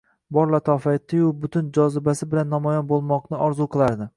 bor latofati-yu butun jozibasi bilan namoyon bo'lmoqni orzu qilardi.